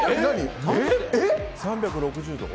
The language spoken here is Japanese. ３６０度？